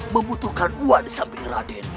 membutuhkan uang di samping raden